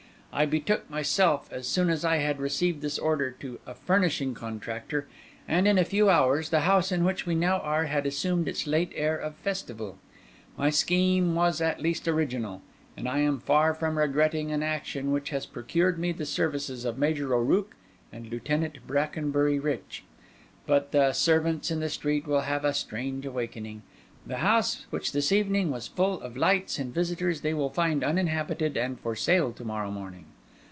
I betook myself, as soon as I had received this order, to a furnishing contractor, and, in a few hours, the house in which we now are had assumed its late air of festival. My scheme was at least original; and I am far from regretting an action which has procured me the services of Major O'Rooke and Lieutenant Brackenbury Rich. But the servants in the street will have a strange awakening. The house which this evening was full of lights and visitors they will find uninhabited and for sale to morrow morning.